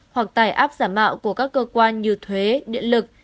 hoặc tải app giả mạo của các cơ quan như thuế điện lực